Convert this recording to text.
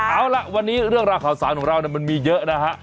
เอาล่ะวันนี้เรื่องราวข่าวสารของเรามันมีเยอะนะฮะ